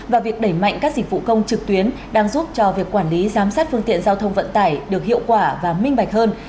và việc đẩy mạnh các dịch vụ công trực tuyến đang giúp cho việc quản lý giám sát phương tiện giao thông vận tải được hiệu quả và minh bạch hơn